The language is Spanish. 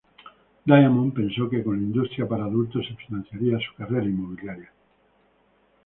Diamond pensó que con la industria para adultos se financiaría su carrera inmobiliaria.